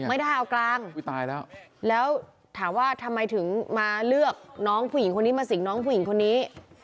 ไม่ได้เอากลางอุ้ยตายแล้วแล้วถามว่าทำไมถึงมาเลือกน้องผู้หญิงคนนี้มาสิงน้องผู้หญิงคนนี้